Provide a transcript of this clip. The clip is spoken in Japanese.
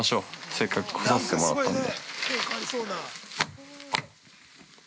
せっかく来させてもらったんで。